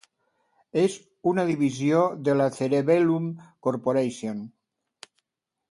És una divisió de la Cerebellum Corporation.